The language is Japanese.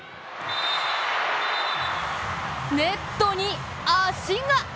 ネットに足が！